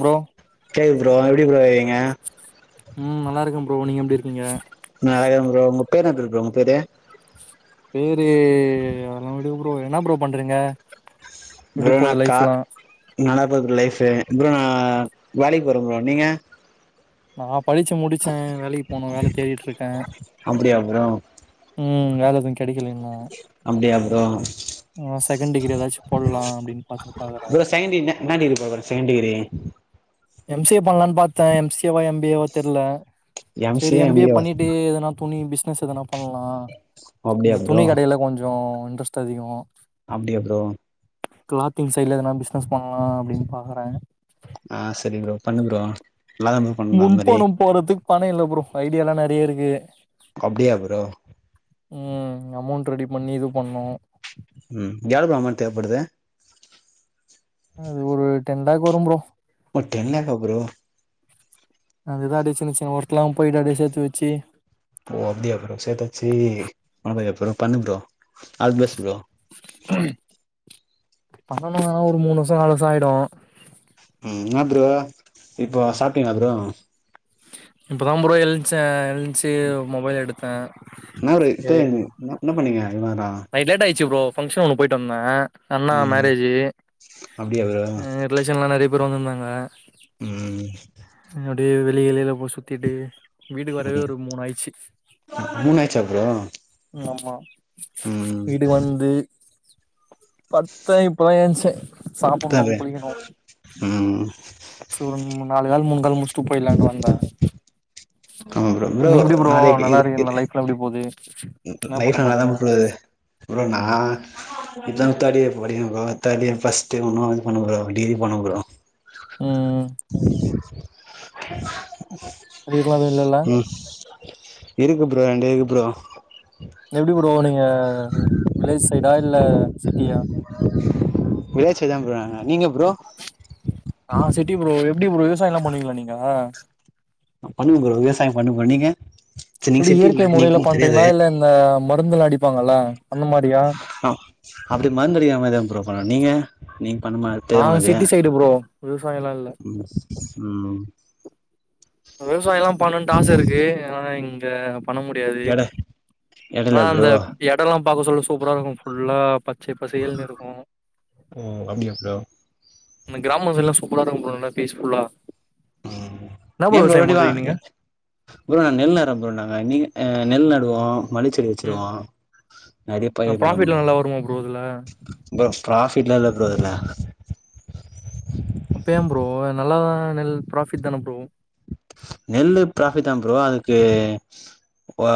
Bro கேக்குது bro எப்டி bro இருக்கீங்க ம் நல்லா இருக்க ப்ரோ நீங்க எப்டி இருக்கீங்க நா நல்லாகிற ப்ரோ உங்க [unintelligible] ப்ரோ உங்க பேரு பேரு அதெல்லா விடு ப்ரோ என்னா ப்ரோ பண்றீங்க எப்டி ப்ரோ நா போது கா லைஃப்லா நல்லா போது ப்ரோ லைஃபு அப்புறோ நா வேலைக் போற ப்ரோ நீங்க நா படிச்சு முடிச்சே வேலக்கி போனு வேல தேடிட்ருக்கே அப்டியா ப்ரோ ம் ம் வேல [unintelligible] அப்டியா ப்ரோ ஆ செகண்ட் டிகிரி ஏதாச்சு போடலா அப்டின்னு பாத்து பாக்குறே ப்ரோ செகன் டிகிரி ந இன்னா டிகிரி போட போற second degree M C A பண்ணலான் பாத்தே எம் சி ஏவா எம் பி ஏவா தெர்ல செரி எம் பி ஏ பண்ணிட்டு எதனா துணி பிஸ்னஸ் எதனா பண்லா ஓ அப்டியா இந்த ப்ரோ துணி கடையில கொஞ்சோ இன்ட்ரெஸ்ட் அதிகோ அப்டியா ‌ப்ரோ க்ளாத்திங் சைட்ல எதனா பிஸ்னஸ் பண்லா அப்டின் பாக்குறே அ செரி ப்ரோ பண்ணு ப்ரோ நல்லாதா ப்ரோ பண்ணு அந்த மாரி முன்பணம் போட்றதுக் பணோ இல்ல ப்ரோ ஐடியால்லா நெறியருக்கு அப்டியா ப்ரோ ம் அமௌண்ட் ரெடி பண்ணி இதுவ் பண்ணோ ம் எவ்ள ப்ரோ அமொன் தேவப்படுது அது ஒரு டென் லேக் வரும் ப்ரோ ப்பா டென் லேக்கா ப்ரோ அதுதா அப்டே சின்ன சின்ன ஒர்க்ல்லாம் போய்ட்டு அப்டே சேத்து வெச்சி ஓ அப்டியா ப்ரோ சேத்து வெச்சி பண்ண போறியா ப்ரோ பண்ணு ப்ரோ ஆல்த்பெஸ் ப்ரோ பண்ணணு ஆனா ஒரு மூண் வர்ஷோ நாலு வர்ஷோ ஆயிடோ ம் இன்னா ப்ரோ இப்போ சாப்ட்டிங்ளா ப்ரோ இப்ப தா ப்ரோ எழுச்சே எ ன்ச்சி மொபைல் எடுத்தே என்ன ப்ரோ இப்ப செரி என்ன பண்ணீங்க இவ்ளோ நேரோ நைட் லேட் ஆயிச்சு ப்ரோ பங்ஷன் ஒன்னு போய்ட் வந்தே அண்ணா ம் மேரேஜு அப்டியா ப்ரோ அ ரிலேஷன்லா நெறிய பேரு வந்துந்தாங்க ம் ம் அப்டே வெளி வெளில போய் சுத்திட்டு வீட்டுக்கு வரவே ம் ஒரு மூன் ஆய்ச்சி மூணு ஆயிடுச்சா ப்ரோ ம் ஆமா ம் ம் பத்த இப்பதா ஏன்ச்ச அதா சாப்புன்னு ப்ரோ குளிக்கினு ம் சோ ரெண் மூன் நாலு வேல மூணு முடிச்ட்டு போய்டலான்ட்டு வந்த ஆமா ப்ரோ நீங்க எப்டி ப்ரோ நல்லா இருக்கீங்ளா லைஃப்ல்லா எப்டி போகுது லைஃப்ல்லா நல்லாதா போது ப்ரோ நா இப்பதா தேர்டு இயர் படிக்கறன் ப்ரோ தேர்டு இயர் பஸ்ட் இன்னு பண்ணு ப்ரோ டிகிரி பண்ணு ப்ரோ ம் அரியர்ல்லா எது இல்லல்ல ம் இருக்கு ப்ரோ ரெண்டு இருக்கு ப்ரோ எப்டி ப்ரோ நீங்க வில்லேஜ் சைடா இல்ல சிட்டியா வில்லேஜ் சைடுதா ப்ரோ நானு நீங்க ப்ரோ நா சிட்டி ப்ரோ எப்டி ப்ரோ விவசாயோ எல்லா பண்ணுவீங்ளா நீங்க பண்ணுவோ ப்ரோ விவசாயோ பண்ணுவோ ப்ரோ நீங்க சரி நீங்க எப்டி இயற்கை சிட்டில முறைல நீக்கு பண்றீங்ளா தெரியாது இல்ல இந்த மருந்தெல்லா அடிப்பாங்கல்ல அந்த மாரியா ஆ அப்டி மருந்து அடிக்கிற மாரிதா ப்ரோ பண்ணுவோ நீங்க நீங் பண்ணமாட்ட நாங்க உனக்கு சிட்டி சைடு ப்ரோ விவசாயம்லா இல்ல ம் ம் விவசாயம் எல்லா பண்ணனுட்டு ஆச இருக்கு ஆனா இங்க பண்ண முடியாது எட எடைல ஆனா ப்ரோ அந்த எட எல்லா பாக்க சொல்ல சூப்பரா இருக்கு ஃபுல்லா ப ச்ச பசேல்னு இருக்கு ம் அப்டியா ப்ரோ இந்த கிராம சைடுல எல்லா சூப்பரா இருக்கு ப்ரோ நல்லா பீஸ் ஃபுல்லா ஏன் ப்ரோ ரெடிதா நீங்க ப்ரோ நா நெல் அறுப்போ நாங்க நீங்க எ நெல் நடுவோ மல்லிச்செடி ம் வெச்சிருவோ நெறய ஆ பயிர் ப்ராஃபிட்லா வளப்போ நல்லா வருமா ப்ரோ இதுல? ப்ரோ கிராஸ் வீட்லதா ப்ரோ இருப்ப அப்ப ஏன் ப்ரோ நல்லதா நெல் ப்ராஃபிட்தான ப்ரோ நெல்லு பராஃபிட்தா ப்ரோ அதுக்கு இப்போ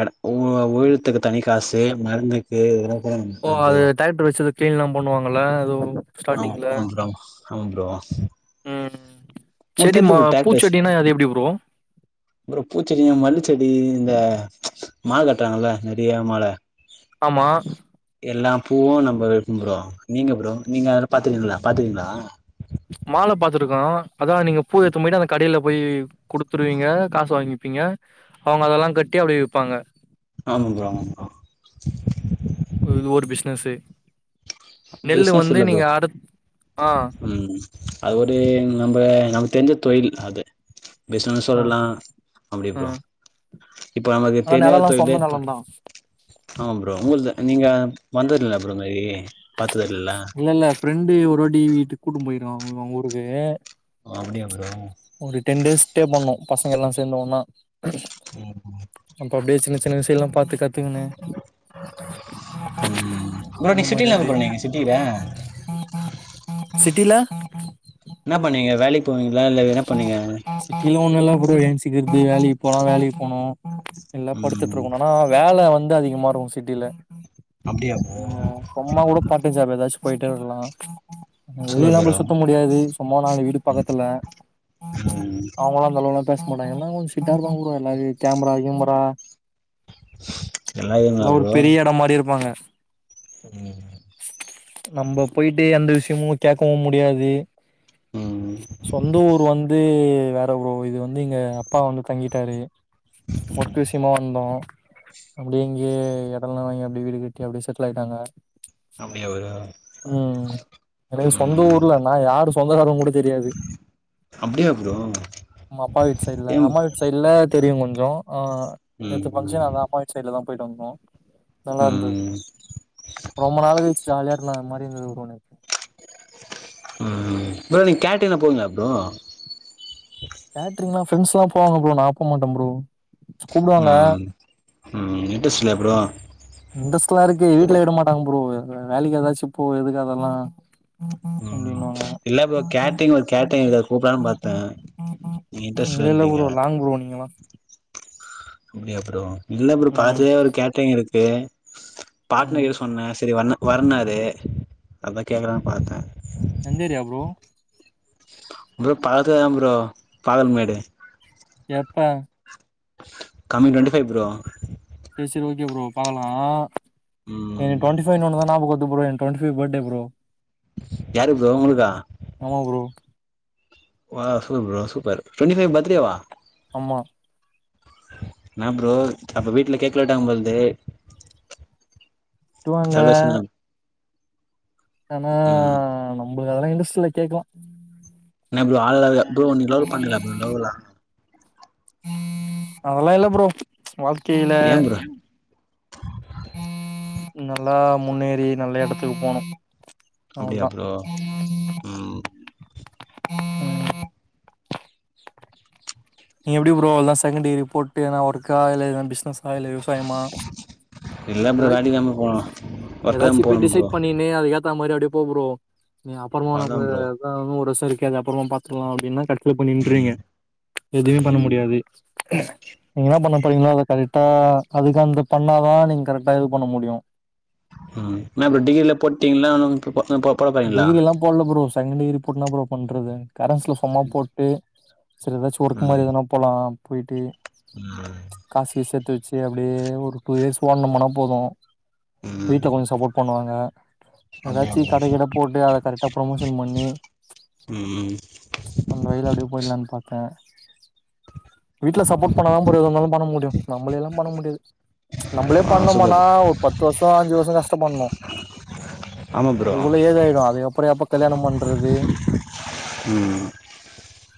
எட உ உயிலத்துக்கு தனி காசு மருந்துக்கு கூட ஓ ப்ரோ அது டிராக்டர் வெச்சு எதோ கிளீன்ல்லா பண்ணுவாங்கல்ல அதுவு ஆமா ஸ்டார்டிங்ல ஆமா ப்ரோ ம் உங்களுக்கு செடி தெரிது மா ப்ரோ டெக் ஃபேஸ் பூச்செடினா அது எப்டி ப்ரோ? ப்ரோ பூச்செடி, மல்லுச்செடி இந்த மால கட்றாங்கல்ல நெரியா மால ஆமா எல்லா பூவு நம்மருக்கு ப்ரோ நீங்க ப்ரோ நீங்க அதெல்லா பாத்துக்கீங்ளா பாத்துர்க்கீங்ளா மால பாத்துருக்கோ அதா நீங்க பூ எத்துன்னு போய்ட்டு அந்த கடைல போய் குடுத்துருவீங்க காசு வாங்கி ப்பீங்க அவுங்க அதெல்லா கட்டி அப்டியே விப்பாங்க ஆமாம் ப்ரோ ஆமாம் ப்ரோ இது ஒரு பிசினஸ்ஸு பிசினஸ் இல்ல ப்ரோ ஆ ம் அது ஒரு நம்ப நமக் தெரிஞ்ச தொழில் அது பிசினஸ் ஆ சொல்லலா அப்டி ஆ ப்ரோ இப்ப நமக்கு ஆனா தெரியாத நெலல்லா தொழிலு சொந்த ம் நெலந்தா. ஆமா ப்ரோ உங்ள்து நீங்க வந்தது இல்லயா ப்ரோ இந்த வழி இல்ல இல்ல ஃப்ரெண்டு ஒருவாட்டி வீட்டுக்கு கூட்டுன் போயிருக்கான் அவுங் ஊருக்கு ஓ அப்டியா ப்ரோ ஒரு டென் டேஸ் ஸ்டே பண்ணோ பசங்கெல்லா சேந்து ஒண்ணா ம் அப்ப அப்டியே சின்ன சின்ன விசயோ எல்லாம் பாத்து கத்துகனு ம் ப்ரோ அந்த நீங்க சிட்டில மாரி என்ன அப்டியே ப்ரோ நீங்க சிட்டில சிட்டில என்ன பண்ணுவீங்க வேலைக்கு போவீங்களா இல்ல என்ன பண்ணுவீங்க சிட்டில ஒன்னு இல்ல ப்ரோ எப்பவு எந்ச்சிக்கிறது வேலைக்கு போனா வேலைக்கு போணு எல்லா படுத்துட்டு ம் இருக்கணு ஆனா வேல வந் த அதிகமாருக்கு சிட்டில அப்டியா ப்ரோ இங்க பொம்மா கூட பார்ட் டைம் ஜாப் எதாச்சு போயிட்டே இருக்கலா வெளில சூப்பர் எல்லாம் ப்ரோ போய் சுத்த முடியாது சும்மா நாளு வீடு பக்கத்துல ம் அவுங்களா அந்த அளவுலா பேச மாட்டாங்க எல்லாங் கொஞ்சோ ஸ்ட்ரிக்ட்டா இருப்பாங்க ப்ரோ எல்லா கேமரா கீமறா நல்லா இருக்கீங்களா எல்லா ஒரு ப்ரோ பெரிய எடோ மாரி இருப்பாங்க ம் நம்ம போய்ட்டு எந்த விஷ்யமு கேக்கவு முடியாது ம் ம் சொந்த ஊர் வந்து வேற ஒரு இது வந்து இங்க அப்பா வந்து தங்கிட்டாரு ஒர்க் விஷ்யமா வந்தோ அப்டியே இங்கயே எடல்லா வாங்கி அப்டியே வீடு கட்டி அப்டியே செட்ல் ஆய்ட்டாங்க அப்டியா [unintelligible] ம் எனக்கு சொந்த ம் ஊர்ல நா யாரு சொந்தக்காருனு கூட தெரியாது அப்டியா ப்ரோ ம் அப்பா வீட் சைட்ல ஏ ம் அம்மா வீட்டு சைட்ல தெரியு கொஞ்சோ அ ம் நேத்து ஃபங்சன் அதா அம்மா வீட் சைட்ல தா போய்ட்டு வந்தோ நல்லா இருந்தது ம் ரொம்ப நாளு கழுச்சு ஜாலியா இருந்தாங்க அம்மா எப்டி இருந்தது ப்ரோ நேத்து ம் ம் ப்ரோ நீங்க கேட்ரிங்லா போவீங்ளா ப்ரோ கேட்ரிங்லா ஃபரெண்ட்ஸ்லா போவாங்க ப்ரோ நா போ மாட்டே ப்ரோ கூப்டுவாங்க ம்ம் ம்ம் இன்ரஸ்ட் இல்லயா ப்ரோ இன்ட்ரஸ்டல்லா இருக்கு வீட்லயு விட மாட்டாங்க ப்ரோ வேலைக்கு ஏதாச்சு போ எதுக்கு அதல்லா ம் இல்ல ப்ரோ கேட்ரிங் ஒர்க் கேட்ரிங் ஒங்கள கூப்லான்னு பாத்தே இன்ட்ரஸ்ட் இல்ல இல்ல இல்லன்டிங்க ப்ரோ லாங் ப்ரோ நீங்கல்லா அப்டியா ப்ரோ இல்ல ப்ரோ ம் பாத்ததே ஒரு கேட்ரிங் இருக்கு பாட்னர் ம் கிட்ட சொன்னே சரி வன்னு வரன்னாரு அதா கேக்கலானு பாத்தே எந்த ஏரியா ப்ரோ ப்ரோ பக்கத்துலதா ப்ரோ பாலமேடு எப்ப கம்மிங் டொண்ட்டி ஃபைவ் ப்ரோ செரி ஓகே ப்ரோ பாக்கலா நீங்க ம் டொண்டி ஃபைவ்னோன தா ஞாபகோ வருது bro twenty five birthday bro யாருக்கு ப்ரோ ஒங்களுக்கா ஆமா bro wow soup bro super twenty five birthday வா ஆமா என்னா ப்ரோ அப்ப வீட்ல கேக்லா வெட்டுவாங்க போலது வெட்டுவாங்க ஆனா ம் நம்ளுக்கு அதல்லா இன்ட்ரஸ்ட் இல்ல கேக்லா என்னா ப்ரோ ஆள்லா இல்ல ப்ரோ நீங்க லவ் பண்லயா ப்ரோ லவ்வலா அதல்லா இல்ல ப்ரோ வாழ்க்கேல ஏன் ப்ரோ நல்லா முன்னேறி நல்ல எடத்துக்கு போனு அவ்ளோ அப்டியா தா ப்ரோ ம் ம் நீ எப்டி ப்ரோ எல்லா செகண்ட் டிகிரி போட்டு எதுனா ஒர்க்கா இல்ல எதுனா பிஸ்னஸா இல்ல விவசாயமா இல்ல ப்ரோ எதா வேலைக்கு தாம் ப்ரோ போனு ஒர்க் தா ஏதாச்சு‌ இப்பயே போனு டிசைட் ப்ரோ பண்ணிணு அது கேத்தா மாரி அப்டியே போ ப்ரோ நீ அப்பறமா அவ்ளதா ஒனக்கு ப்ரோ அதா இன்னு ஒரு வருஷோ இருக்கே அது அப்பறமா பாத்துக்கலா அப்டின்னா சோ‌ இப்ப நின்றீங்க ம் எதுமே பண்ண ம் முடியாது நீங்க என்னா பண்ண போறீங்களோ அத கரெடா அதுக்கு அந்த பண்ணாதா நீங்க கரெடா இது பண்ண முடியு ம் என்னா ப்ரோ டிகிரில போட்டீங்களா இன்னு போ போட போறீங்களா டிகிரிலா போட்ல ப்ரோ செகண்ட் டிகிரி போட்டு என்னா ப்ரோ பண்றது‌ கரஸ்ல சும்மா போட்டு செரி ஏதாச்சு ஒர்க்கு ம் மாரி ஏதுனா போலா போய்ட்டு ம் காசு கீசு சேத்து வச்சு அப்டியே அப்டியே ஒரு டூ இயர்ஸ் [unintelligible] போது ம் வீட்ல கொஞ்சோ சப்போர்ட் பண்ணுவாங்க அப்டியா எதாச்சு ப்ரோ கறிக் கட‌ போட்டு அத கரெட்டா ப்ரமோஷன் பண்ணி ம் ம் அந்த வழில அப்டியே போயிட்லான்னு பாத்தே வீட்ல சப்போர்ட் பண்ணாதா ப்ரோ எது‌ இருந்தாலு பண்ண முடியு நம்மளேலா பண்ண முடியாது. நம்மளே ஆ சூப்பர் பண்ணோமான்னா ப்ரோ ஒரு பத்து வருஷோ அஞ்சு வருஷோ கஷ்டப்படணு ஆமாம் ப்ரோ அதுக்குள்ள ஏஜ்ஜாயிடு அதுக்கப்றோ எப்ப கல்யாணோ பண்றது ம்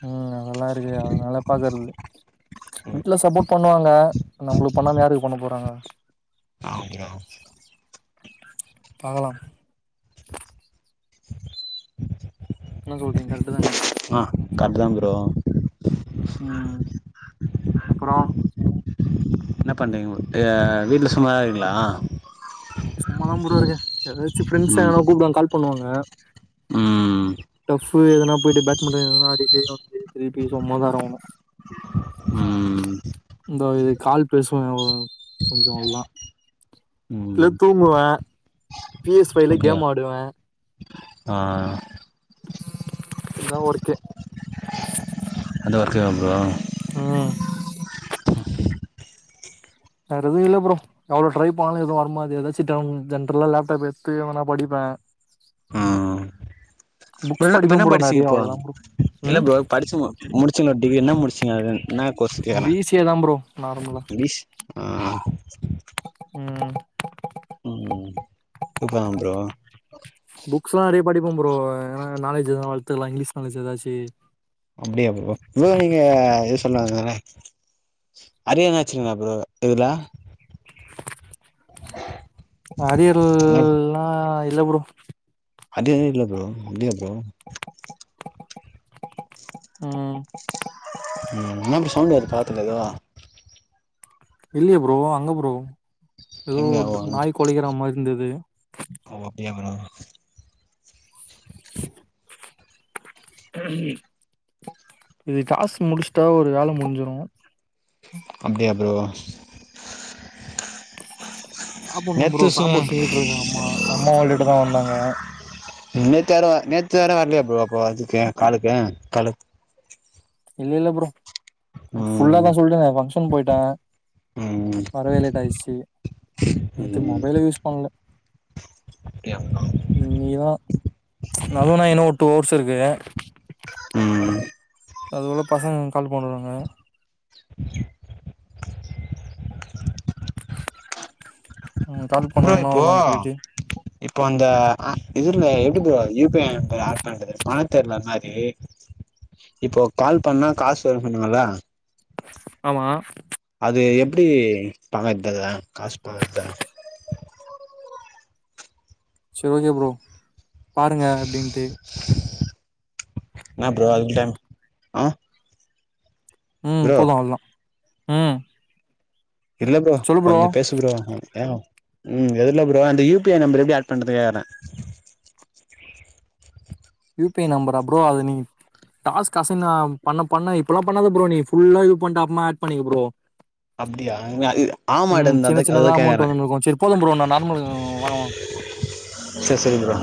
ம் அதெல்லா இருக்கு அதனால பாக்றது இல்ல வீட்ல சப்போர்ட் பண்ணுவாங்க நம்ளுக்கு பண்ணாம யாருக்கு பண்ண போறாங்க. [inaudible] பாக்கலா என்ன சொல்ரிங்கள்? ஆ கர்ட்டுதா ப்ரோ அப்றோ என்ன பண்றீங்க [unintelligible] வீட்ல சும்மாதா இருக்கீங்ளா? சும்மதா ப்ரோ இருக்கே எதாச்சு ஃப்ரெண்ட்ஸ் ம் யாரா கூப்டுவாங்க கால் பண்ணுவாங்க. ம் ஃப் எதுனா போயிட்டு பேட்மிண்டன் எதுனா ஆடிட்டு வந்து திருப்பி சும்மாதா இருக்கனு. ம் இந்தா இது கால் பேசனு கொஞ்சொ அவ்ளோதா இல்ல ம் தூங்குவே பி எஸ் ஃபைல்ல அப்படியா கேம் ஆடுவே. ஆ இதா ஒர்க்கே ஹலோ வச்சிரவா ப்ரோ ம் வேற எதுவு இல்ல ப்ரோ எவ்ளோ ட்ரை பண்ணாலு எதுவு வரமாட்டேது எதாச்சு டாம் ஜென்ரல்லா லேப்டாப் எத்து வேணா படிப்ப ம் புக்ஸ் படிப்பே ப்ரோ நெறைய அவ்ளோதா ப்ரோ இல்ல ம் ப்ரோ படிச்சு மு முடிச்சிங்கல்ல டிகி என்ன முடிச்சிங்க என்ன கோர்ஸ் கேக்கறே பி சி ஏ தா ப்ரோ நார்மலா ம்பிஷ் ஆ ம் கூப்டுறாங்க ப்ரோ புக்ஸ்லா நெறைய படிப்போம் ப்ரோ, ஏன்னா நாலஜ்லாம் வளத்துக்கலா இங்கிலீஷ் நாலேஜ் எதாச்சு அப்படியா ப்ரோ ப்ரோ நீங்க எஸ் சொன்னாங்களே அரியர் எதனாச்சிங்களா ப்ரோ இதுல என்ன அரியர்ல்லா இல்ல ப்ரோ அரியர்லா இல்ல ப்ரோ இல்லயா ப்ரோ ம் ம் என்ன அப்டி சவுண்டு வருது பாத்துக்க எதோ இல்லியே ப்ரோ அங்க ப்ரோ எதோ எங்க ஓ ஒன்டு நாய் கொலைக்கிற மாதி இருந்தது ஓ அப்டியா ப்ரோ [inaudible] இது காசு முடிச்சுட்டா ஒரு வேல முடிஞ்சிரு. அப்டியா ப்ரோ [unintelligible] [inaudible] சாப்புடணு ப்ரோ நேத்து சு சாப்பாடு செஞ்சுட்டு இருக்காங்க அம்மா அம்மா வீட்டுக்குட்டதா வந்தாங்க. நேத்து யாரு நேத்து யாரும் வரலையா ப்ரோ அப்போ அதுக்கு காலுக்கு காலு இல்ல இல்ல ப்ரோ, நேத்து ஃபுல்லாதா ம் சொல்றனே பங்க்ஷன் போயிட்ட ம் வரவே லேட் ஆயிடுச்சு நேத்து ம் மொபைலே யூஸ் பண்ல அப்டியா ப்ரோ இனிகுதா நவ்ளோனா எனக்கு ஒரு டூ ஹவர்ஸ் இருக்கு ம் அது போல பசங்க கால் பண்ணறாங்க [inaudible] ம் கால் ப்ரோ பண்ணாங்கன்னா இப்போ அவ்ளதா போயிட்டு இப்போ இந்த அ இதுல எப்டி bro U P I add பண்றது பண்ண தெர்ல அது மாதிரி இப்போ கால் பண்ணா காசு வருன்னாங்களா ஆமா அது எப்படி பங்கது தெர்ல காசு பாக்கது சரி ஓகே ப்ரோ பாருங்க அப்டின்ட்டு என்னா ப்ரோ அதுடைம் ஆ ம் ப்ரோ போலா அவ்லோதா ம் இல்ல ப்ரோ கொஞ்ச பேசு ப்ரோ டயம் ம் எதுல ப்ரோ அந்த யு பி ஐ நம்பர் எப்டி ஆட் பண்ணறது கேக்கறே யூ பி ஐ நம்பரா அ ப்ரோ அது நீங் டாஸ்க் அசைன்னா பண்ண பண்ண இப்பெல்லா பண்ணாதா ப்ரோ நீ ஃபுல்லா இது பண்ணிட்டு அப்பறமா ஆட் பண்ணு ப்ரோ அப்டியா ஆமா டா ம் இந்த சின்ன அதா சின்னதா அதுதா அமௌண்ட் கேக்குறே வந்துனு இருக்கு சரிப்போதும் ப்ரோ நான் நார்மல் வரேன் [inaudible] சச்சரி ப்ரோ